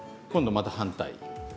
今度また反対。